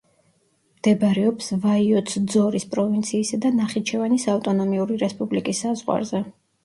მდებარეობს ვაიოცძორის პროვინციისა და ნახიჩევანის ავტონომიური რესპუბლიკის საზღვარზე.